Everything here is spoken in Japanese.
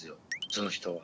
その人は。